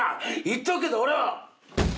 言っとくけど俺は。